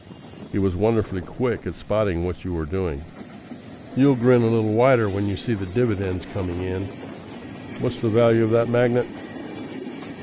(He was wonderfully quick at spotting what you were doing.) "You'll grin a little wider when you see the dividends coming in. What's the value of that magnet?"